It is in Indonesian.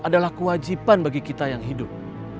adalah kewajiban bagi kita yang hidup